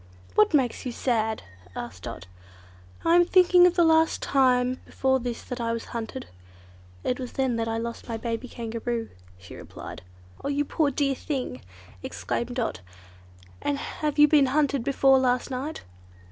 "What makes you sad?" asked Dot. "I am thinking of the last time before this that I was hunted. It was then I lost my baby Kangaroo," she replied. "Oh! you poor dear thing!" exclaimed Dot, "and have you been hunted before last night?"